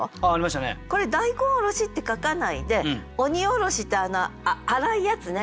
これ「大根おろし」って書かないで鬼おろしって粗いやつね